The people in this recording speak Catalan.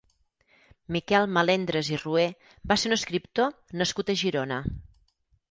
Miquel Melendres i Rué va ser un escriptor nascut a Girona.